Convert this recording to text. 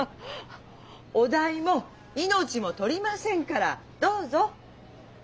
お代も命も取りませんからどうぞ。